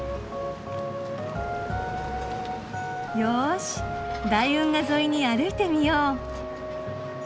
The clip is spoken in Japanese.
よし大運河沿いに歩いてみよう。